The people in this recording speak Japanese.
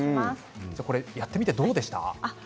やってみてどうでしたか？